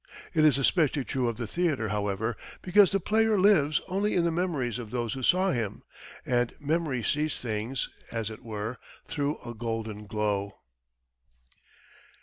It is especially true of the theatre, however, because the player lives only in the memories of those who saw him, and memory sees things, as it were, through a golden glow.